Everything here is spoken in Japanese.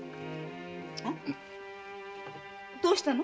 どうしたの？